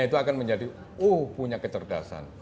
itu akan menjadi oh punya kecerdasan